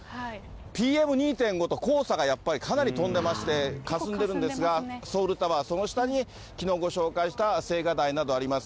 ＰＭ２．５と黄砂がやっぱりかなり飛んでまして、かすんでるんですが、ソウルタワー、その下にきのうご紹介した青瓦台などあります。